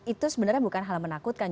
itu sebenarnya bukan hal menakutkan